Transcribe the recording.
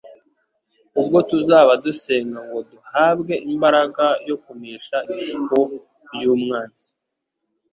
ubwo tuzaba dusenga ngo duhabwe imbaraga yo kunesha ibishuko by'umwanzi